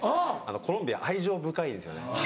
コロンビア愛情深いんですよね。